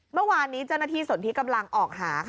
เมื่อวานนี้เจ้าหน้าที่สนที่กำลังออกหาค่ะ